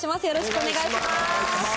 よろしくお願いします！